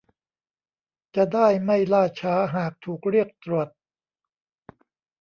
จะได้ไม่ล่าช้าหากถูกเรียกตรวจ